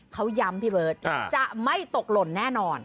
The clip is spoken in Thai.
เขาย้ำพี่เบิร์ตจะไม่ตกหล่นแน่นอน